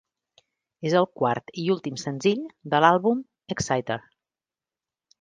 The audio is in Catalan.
És el quart i últim senzill de l'àlbum "Exciter".